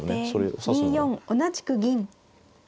後手２四同じく銀。